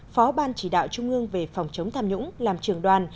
phó ban chỉ đạo trung ương về phòng chống tham nhũng làm trưởng đoàn